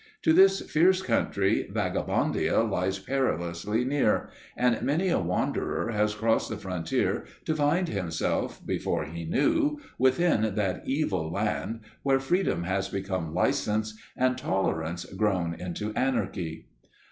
To this fierce country Vagabondia lies perilously near, and many a wanderer has crossed the frontier to find himself, before he knew, within that evil land, where freedom has become licence, and tolerance grown into Anarchy.